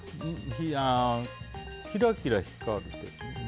キラキラ光る手。